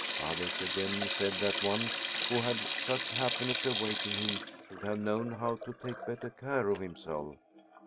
Others, again, said that one who had had such happiness awaiting him should have known how to take better care of himself.